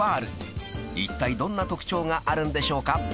［いったいどんな特徴があるんでしょうか？］